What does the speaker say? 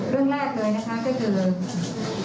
เรื่องแรกเลยนะคะก็คือ